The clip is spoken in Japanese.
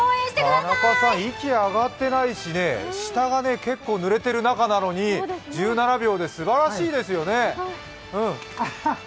田中さん、息上がってないし下がぬれているのに１７秒ですばらしいですよね。